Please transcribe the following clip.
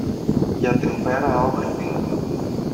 Για την πέρα όχθη.